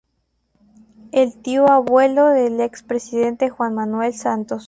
Es tío-abuelo del ex presidente Juan Manuel Santos.